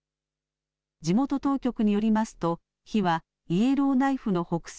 地元当局によりますと火はイエローナイフの北西